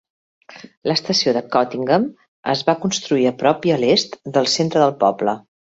L'estació de Cottingham es va construir a prop i a l'est del centre del poble.